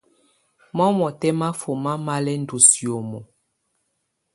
Mamɔ́tɛ́ máfɔ́má má lɛ́ ndɔ́ sìómo.